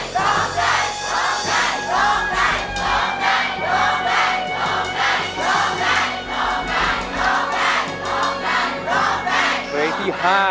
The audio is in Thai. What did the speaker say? ร้องได้ร้องได้ร้องได้